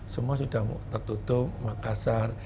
semua sudah tertutup makassar